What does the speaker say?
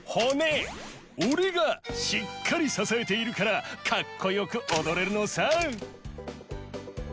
オレがしっかりささえているからかっこよくおどれるのさ！